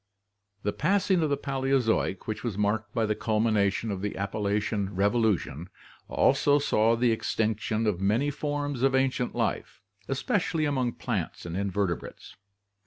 The passing of the Paleozoic, which was marked by the culmina tion of the Appalachian Revolution, also saw tfie extinction of many forms of ancient life, especially among plants and inverte brates.